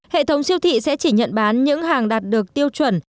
hệ thống siêu thị sẽ chỉ nhận bán những hàng đạt được tiêu chuẩn